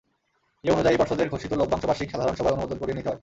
নিয়ম অনুযায়ী, পর্ষদের ঘোষিত লভ্যাংশ বার্ষিক সাধারণ সভায় অনুমোদন করিয়ে নিতে হয়।